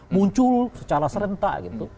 muncul secara serentak gitu